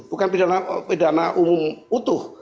bukan pidana umum utuh